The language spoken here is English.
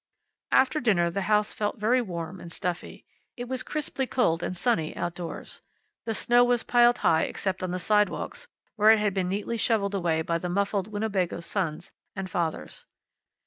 After dinner the house felt very warm and stuffy. It was crisply cold and sunny outdoors. The snow was piled high except on the sidewalks, where it had been neatly shoveled away by the mufflered Winnebago sons and fathers.